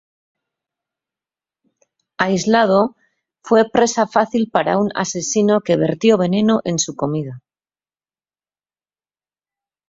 Aislado, fue presa fácil para un asesino que vertió veneno en su comida.